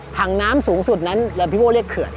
ถังน้ำสูงสุดนั้นแล้วพี่โก้เรียกเขื่อน